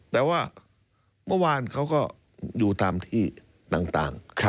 แต่ว่าเมื่อวานเขาก็อยู่ตามที่ต่าง